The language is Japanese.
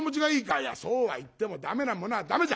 「いやそうは言っても駄目なものは駄目じゃ。